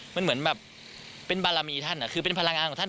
มันเป็นบารมีท่านพลังงานของท่าน